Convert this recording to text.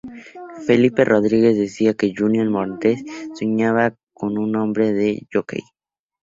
Felipe Rodríguez decía que Junior Montañez sonaba como nombre de jockey.